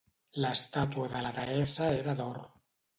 L'estàtua de la deessa era d'or.